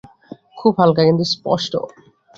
খুব হালকা, কিন্তু স্পষ্ট।